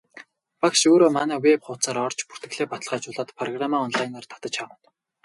Багш өөрөө манай веб хуудсаар орж бүртгэлээ баталгаажуулаад программаа онлайнаар татаж авна.